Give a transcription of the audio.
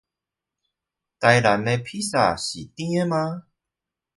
台南的披薩是甜的嗎？